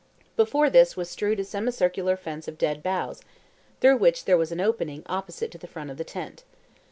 Before this was strewed a semicircular fence of dead boughs, through which there was an opening opposite to the front of the tent.